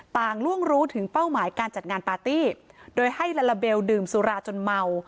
ล่วงรู้ถึงเป้าหมายการจัดงานปาร์ตี้โดยให้ลาลาเบลดื่มสุราจนเมา